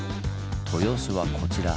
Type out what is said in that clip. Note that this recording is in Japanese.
豊洲はこちら。